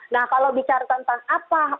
nah kalau bicara tentang apa